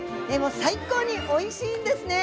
最高においしいんですね。